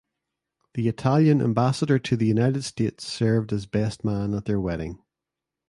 The Italian ambassador to the United States served as best man at their wedding.